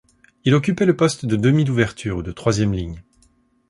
Il occupait le poste de demi-d'ouverture ou de troisième ligne.